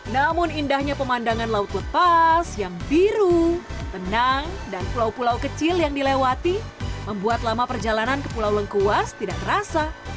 namun indahnya pemandangan laut lepas yang biru tenang dan pulau pulau kecil yang dilewati membuat lama perjalanan ke pulau lengkuas tidak terasa